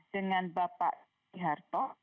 dengan bapak iharto